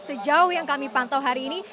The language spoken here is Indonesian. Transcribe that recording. sejauh yang kami pantau hari ini